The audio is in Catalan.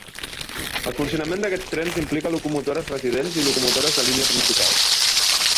El funcionament d'aquests trens implica locomotores residents i locomotores de línia principal.